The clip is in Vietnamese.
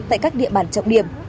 tại các địa bàn trọng điểm